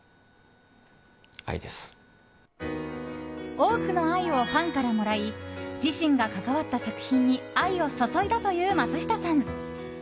多くの愛をファンからもらい自身が関わった作品に愛を注いだという松下さん。